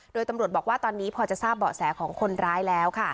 โดยตำรวจบอกว่าตอนนี้พอจะทราบเบาะแสของคนร้ายแล้วค่ะ